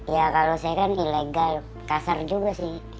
ya kalau saya kan ilegal kasar juga sih